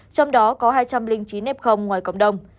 trong đó có hai trăm linh chín f ngoài cộng đồng